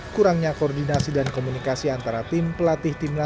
kurangnya koordinasi dan komunikasi antara tim pelatih timnas dan pelatih di klub klub